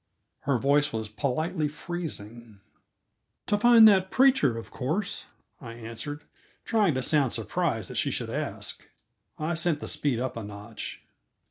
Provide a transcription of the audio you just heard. her voice was politely freezing. "To find that preacher, of course," I answered, trying to sound surprised that she should ask, I sent the speed up a notch.